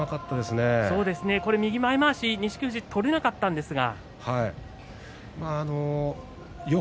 右前まわしを錦富士取れなかったんですが。